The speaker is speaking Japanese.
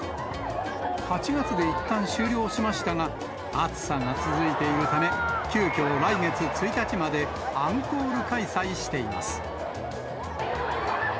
８月でいったん終了しましたが、暑さが続いているため、急きょ、来月１日までアンコール開催しています。